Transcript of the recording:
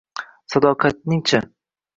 Sadoqatning-chi?